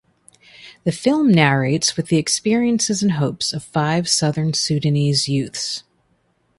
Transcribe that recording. The film narrates with the experiences and hopes of five Southern Sudanese youths.